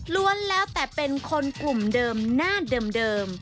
แล้วแต่เป็นคนกลุ่มเดิมหน้าเดิม